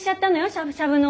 しゃぶしゃぶの。